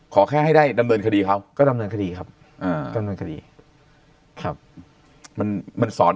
ขอแค่ให้ได้ดำเนินคดีเขาก็ดำเนินคดีครับดำเนินคดีครับมันมันสอน